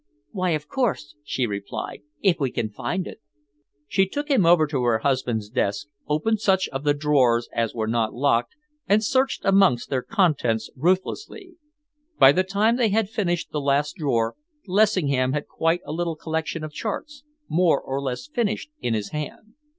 "Why, of course," she replied, "if we can find it." She took him over to her husband's desk, opened such of the drawers as were not locked, and searched amongst their contents ruthlessly. By the time they had finished the last drawer, Lessingham had quite a little collection of charts, more or less finished, in his hand.